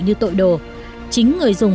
như tội đồ chính người dùng